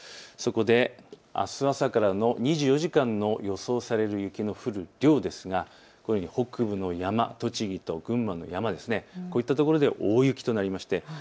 そこであす朝からの２４時間の予想される雪の降る量ですが北部の山、栃木と群馬の山、こういった所では大雪となります。